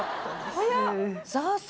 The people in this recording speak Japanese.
早っ！